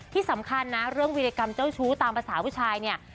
ที่สำคัญนะเรื่องวิรกรรมเจ้าชู้ตามภาษาผู้ชายเนี่ย